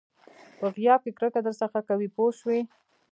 په غیاب کې کرکه درڅخه کوي پوه شوې!.